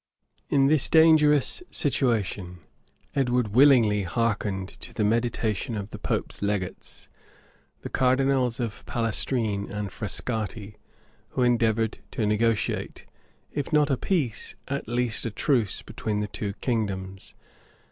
{1243.} In this dangerous situation, Edward willingly hearkened to the mediation of the pope's legates, the cardinals of Palestrine and Frescati, who endeavored to negotiate, if not a peace, at east a truce, between the two kingdoms.